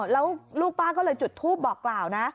แล้วลูกป้าก็เลยจุดทูปบอกกล่าวนะ